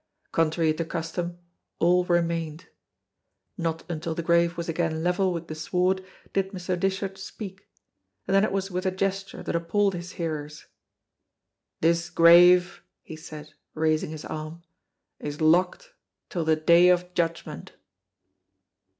Contrary to custom all remained. Not until the grave was again level with the sward did Mr. Dishart speak, and then it was with a gesture that appalled his hearers. "This grave," he said, raising his arm, "is locked till the day of judgment."